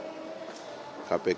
tapi kalau di dalam negara